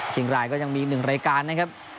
เชียงรายก็ยังมี๑รายการนะครับ